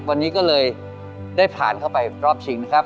วันนี้ก็เลยได้ผ่านเข้าไปรอบชิงนะครับ